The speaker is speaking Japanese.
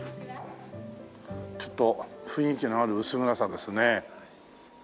ちょっと雰囲気のある薄暗さですね。